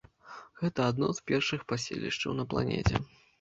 Гэта адно з першых паселішчаў на планеце.